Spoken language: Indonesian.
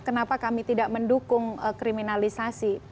kenapa kami tidak mendukung kriminalisasi